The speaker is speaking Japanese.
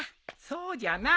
そうじゃな。